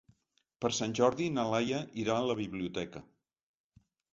Per Sant Jordi na Laia irà a la biblioteca.